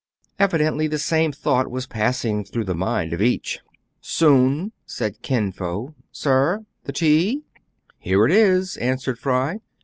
Evidently the same thought was passing through the mind of each. " Soun !" said Kin Fo. "Sir?" "The tea? " Here it is," answered Fry.